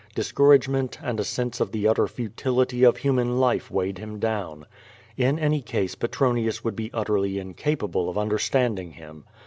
Discouragement and a sense of the utter futility of human life weighed him down. In any case Petronius would be utterly inca])able of under standing him.